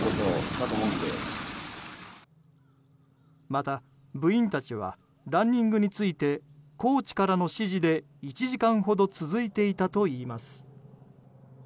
また部員たちはランニングについてコーチからの指示で１時間ほど続いていたといいます。